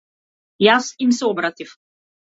Јас им се обратив.